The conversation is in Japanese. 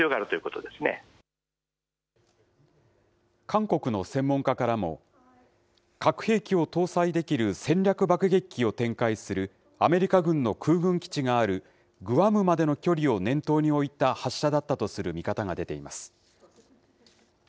韓国の専門家からも、核兵器を搭載できる戦略爆撃機を展開するアメリカ軍の空軍基地があるグアムまでの距離を念頭に置いた発射だったとする見方が出ています。